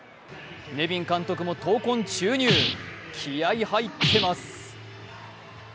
ネビン監督も闘魂注入、気合い入ってます。